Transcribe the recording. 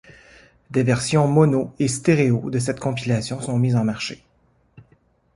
Des versions mono et stéréo de cette compilation sont mises en marché.